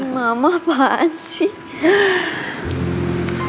nama apaan sih